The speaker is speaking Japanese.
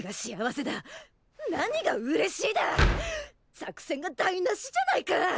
作戦が台なしじゃないか！